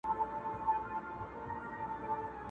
د ورځو په رڼا کي خو نصیب نه وو منلي.!